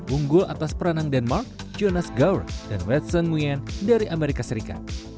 unggul atas peranang denmark jonas gaor dan wetson nguyen dari amerika serikat